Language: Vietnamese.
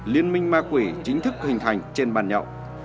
liên minh ma quỷ chính thức hình thành trên bàn nhậu